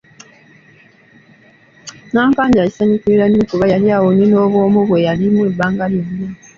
Nnankanja yakisanyukira nnyo kuba yali awonye n’obwomu bwe yalimu ebbanga eryo lyonna.